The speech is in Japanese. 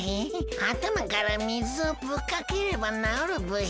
あたまから水をぶっかければなおるブヒ。